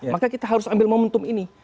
maka kita harus ambil momentum ini